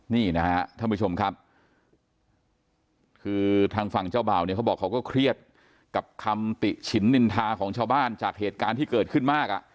นี่นะฮะท่านผู้ชมครับคือทางฝั่งเจ้าบ่าวเนี่ยเขาบอกเขาก็เครียดกับคำติฉินนินทาของชาวบ้านจากเหตุการณ์ที่เกิดขึ้นมากอ่ะ